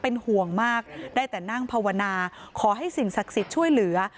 เป็นห่วงมากได้แต่นั่งภาวนาขอให้สิ่งศักดิ์สิทธิ์ช่วยเหลือ